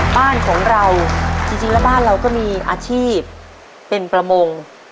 บ้านของเราจริงแล้วบ้านเราก็มีอาชีพเป็นประมง